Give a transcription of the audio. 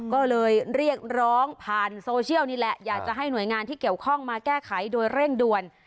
ก็เลยเรียกร้องผ่านโซเชียลนี่แหละอยากจะให้หน่วยงานที่เกี่ยวข้องมาแก้ไขโดยเร่งด่วน